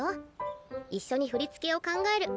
一緒に振り付けを考える。